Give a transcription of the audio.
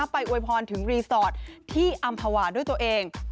อวยพรถึงรีสอร์ทที่อำภาวาด้วยตัวเอง